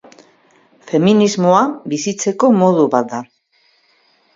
Feminismoa bizitzeko modu bat da.